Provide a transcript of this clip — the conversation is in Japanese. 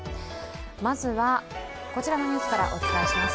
まずは、こちらのニュースからお伝えします。